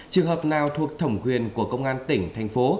trường hợp nào thuộc thẩm quyền của công an tỉnh thành phố